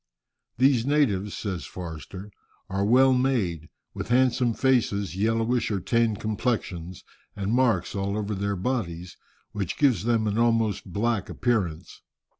"These natives," says Forster, "are well made, with handsome faces, yellowish or tanned complexions, and marks all over their bodies, which gives them an almost black appearance.